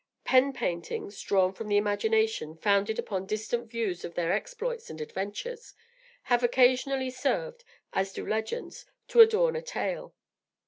Pen paintings, drawn from the imagination, founded upon distant views of their exploits and adventures, have occasionally served, as do legends, to "adorn a tale."